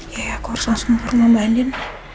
ya aku harus langsung ke rumah mbak andien